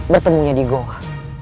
bertemunya di goa